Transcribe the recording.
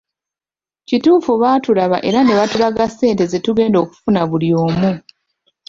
Kituufu baatubala era ne batulaga ssente ze tugenda okufuna buli omu.